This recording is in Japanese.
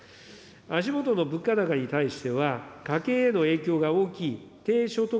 足下の物価高に対しては、家計への影響が大きい低所得